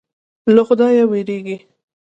له خدایه وېرېږي.